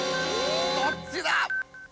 どっちだ？